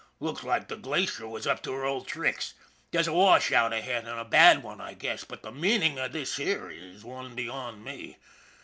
" Looks like the Glacier was up to her old tricks. There's a washout ahead, and a bad one, I guess. But the meaning of this here is one beyond me.